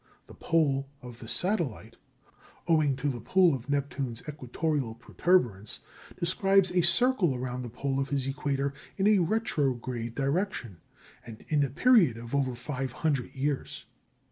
The pole of the satellite, owing to the pull of Neptune's equatorial protuberance, describes a circle round the pole of his equator in a retrograde direction, and in a period of over five hundred years.